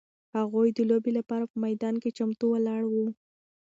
هغوی د لوبې لپاره په میدان کې چمتو ولاړ وو.